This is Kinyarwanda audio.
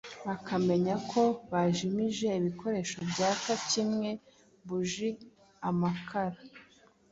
bakamenya ko bajimije ibikoresho byaka nk’inkwi, buji, amakara